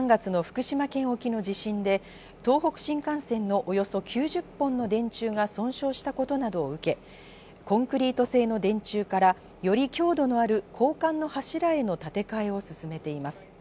ＪＲ東日本は３月の福島県沖の地震で東北新幹線のおよそ９０本の電柱が損傷したことなどを受け、コンクリート製の電柱からより強度のある鋼管の柱への建て替えを進めています。